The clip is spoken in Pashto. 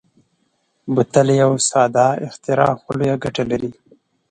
بوتل یو ساده اختراع خو لویه ګټه لري.